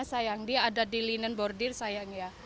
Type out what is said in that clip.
modelnya sayang dia ada di linen bordir sayang ya